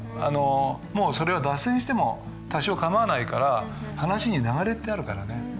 あのもうそれは脱線しても多少かまわないから話に流れってあるからね。